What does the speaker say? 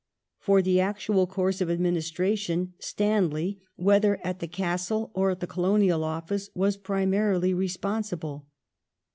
For the actual course of administra tion Stanley, whether at the Castle or at the Colonial Office, was primarily responsible.